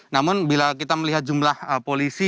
namun bila kita melihat jumlah polisi